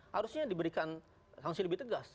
harusnya diberikan sanksi lebih tegas